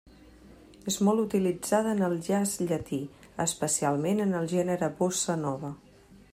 És molt utilitzada en el jazz llatí, especialment en el gènere bossa nova.